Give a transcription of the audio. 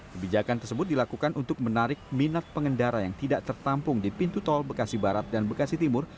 kebijakan tersebut dilakukan untuk menarik minat pengendara yang tidak tertampung di pintu tol bekasi barat dan bekasi timur